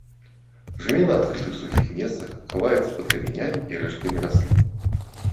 Жыве на адкрытых сухіх месцах, хаваецца пад камянямі і рэшткамі раслін.